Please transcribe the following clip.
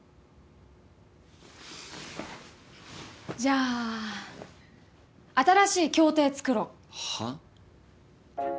じゃあ新しい協定作ろう！はあ？